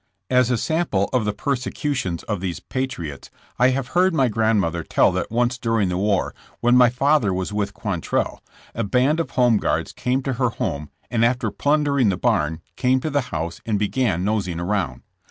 As a sample of the persecutions of these ''patriots" I have heard my grandmother tell that once during the war, when my father was with Quantrell, a band of Home Guards came to her home and after plundering the bam came to the house and began nosing around.